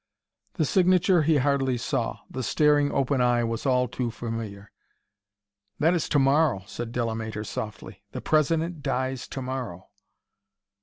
The signature he hardly saw; the staring, open eye was all too familiar. "That is to morrow," said Delamater softly. "The President dies to morrow."